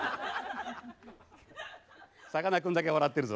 さかなクンだけ笑ってるぞ。